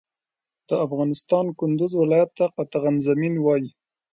د افغانستان کندوز ولایت ته قطغن زمین وایی